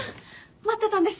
待ってたんです。